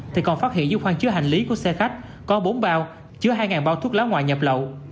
thì còn phát hiện dưới khoang chứa hành lý của xe khách có bốn bao chứa hai bao thuốc lá ngoại nhập lậu